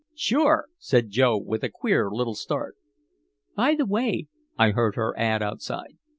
"Sure," said Joe, with a queer little start. "By the way," I heard her add outside.